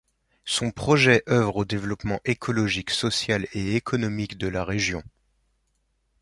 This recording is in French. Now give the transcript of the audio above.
Son projet œuvre au développement écologique, social et économique de la région.